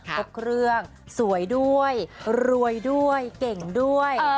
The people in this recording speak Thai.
พบครัวสวยด้วยรวยด้วยเก่งด้วย